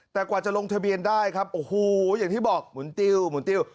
แต่กว่าจะลงทะเบียนได้ครับโอ้โหอย่างที่บอกหมุนติ้วหมุนติ้ว